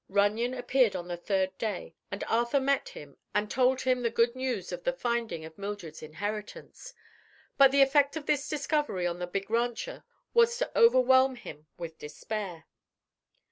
Runyon appeared on the third day and Arthur met him and told him the good news of the finding of Mildred's inheritance. But the effect of this discovery on the big rancher was to overwhelm him with despair.